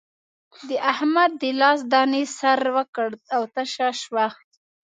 د احمد د لاس دانې سر وکړ او تشه شوه.